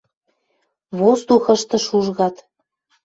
Воздухышты шужгат.